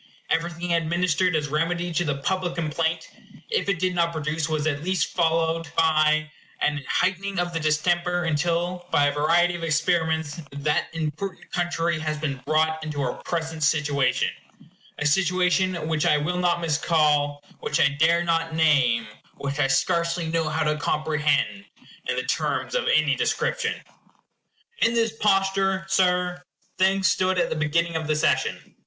Everything administered as remedy to the public complaint, if it did not produce, was at least followed by, an heightening of the distemper; until, by a variety of experiments, that important country has been brought into her present situation a situation which I will not miscall, which I dare not name, which I scarcely know how to comprehend in the terms of any description. In this posture, Sir, things stood at the beginning of the session.